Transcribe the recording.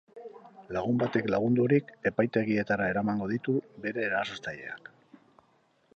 Lagun batek lagundurik, epaitegietara eramango ditu bere erasotzaileak.